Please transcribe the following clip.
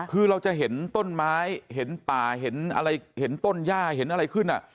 คือเราจะเห็นต้นไม้เห็นป่าเห็นอะไรเห็นต้นย่าเห็นอะไรขึ้น